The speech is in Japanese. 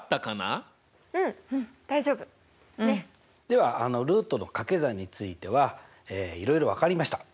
ではルートの掛け算についてはいろいろ分かりました。